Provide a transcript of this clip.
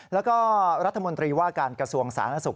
แล้วก็รัฐมนตรีว่าการกระทรวงสาธารณสุข